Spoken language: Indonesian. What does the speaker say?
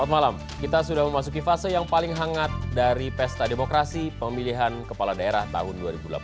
selamat malam kita sudah memasuki fase yang paling hangat dari pesta demokrasi pemilihan kepala daerah tahun dua ribu delapan belas